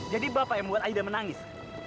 jadi bapak yang buat aida menangis